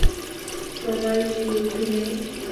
তোমার কী বুদ্ধি নেই?